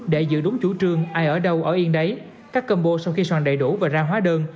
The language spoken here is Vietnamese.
để giữ đúng chủ trương ai ở đâu ở yên đấy các combo sau khi xòn đầy đủ và ra hóa đơn